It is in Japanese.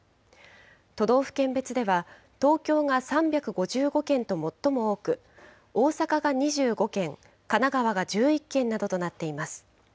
都道府県別では、東京が３５５件と最も多く、大阪が２５件、神奈川が１１件などとなっています。